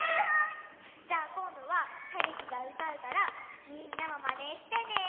じゃあこんどははるきがうたうからみんなもまねしてね！